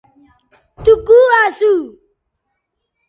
تو کو اسو